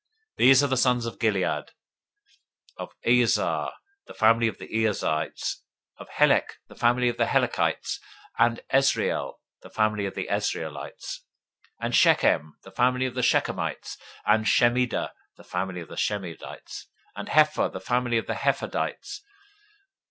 026:030 These are the sons of Gilead: [of] Iezer, the family of the Iezerites; of Helek, the family of the Helekites; 026:031 and [of] Asriel, the family of the Asrielites; and [of] Shechem, the family of the Shechemites; 026:032 and [of] Shemida, the family of the Shemidaites; and [of] Hepher, the family of the Hepherites.